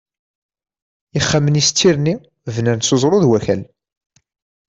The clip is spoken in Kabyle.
Ixxamen-is d tirni bnan s uẓru d wakal.